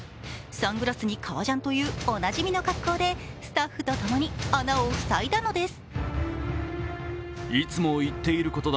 サングラスに革ジャンというおなじみの格好でスタッフとともに穴を塞いだのです。